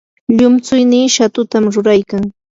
llumtsuynii shatutam ruraykan.